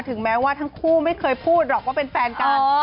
แม้ว่าทั้งคู่ไม่เคยพูดหรอกว่าเป็นแฟนกัน